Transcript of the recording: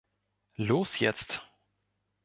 Los jetzt!